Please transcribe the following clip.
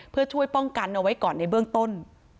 เพื่อช่วยป้องกันเอาไว้ก่อนในเบื้องต้น